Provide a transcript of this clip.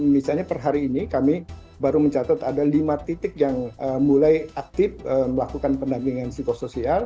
misalnya per hari ini kami baru mencatat ada lima titik yang mulai aktif melakukan pendampingan psikosoial